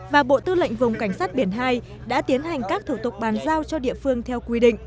và bộ tư lệnh vùng cảnh sát biển hai đã tiến hành các thủ tục bàn giao cho địa phương theo quy định